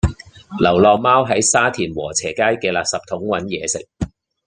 流浪貓喺沙田禾輋街嘅垃圾桶搵野食